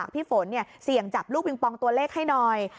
พี่ฝนเสี่ยงจับลูกปิงปองตัวเลขให้หน่อย